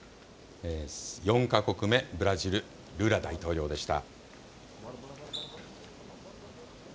４か国目、ブラジル、ルーラ大統領でした。